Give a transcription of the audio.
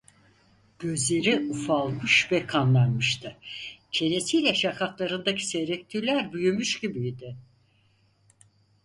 Gözleri ufalmış ve kanlanmıştı, çenesiyle şakaklarındaki seyrek tüyler büyümüş gibiydi.